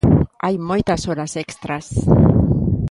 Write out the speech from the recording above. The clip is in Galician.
Hai moitas horas extras.